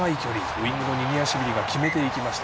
ウイングのニニアシビリが決めていきました。